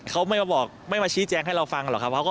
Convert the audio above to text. เขาไม่มาบอกไม่มาชี้แจงให้เราฟังหรอกครับ